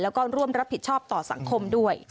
แล้วก็ร่วมรับผิดชอบต่อสังคมด้วย